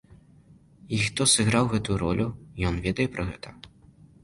І хто сыграў гэтую ролю, ён ведае пра гэта.